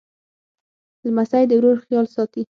لمسی د ورور خیال ساتي.